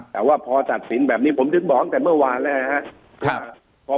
แต่ว่าพอตัดสินแบบนี้ผมถึงบอกตั้งแต่เมื่อวานแล้วนะครับ